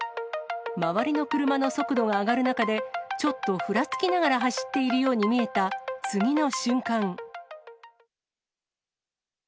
周りの車の速度が上がる中で、ちょっとふらつきながら走っているように見えた次の瞬間。